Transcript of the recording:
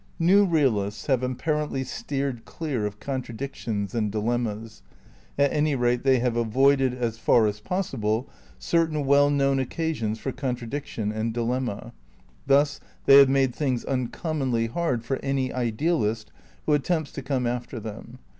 New realists have apparently steered clear of contradictions and dilemmas ; at any rate they have avoided, as far as possible, certain well known occasions for contradiction and dilemma. Thus they have made things uncommonly hard for any idealist who attempts to come after them.